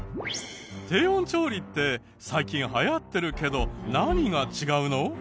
低温調理って最近流行ってるけど何が違うの？